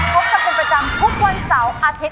พบกันเป็นประจำทุกวันเสาร์อาทิตย